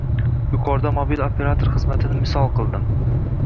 Yuqorida mobil operator xizmatini misol qildim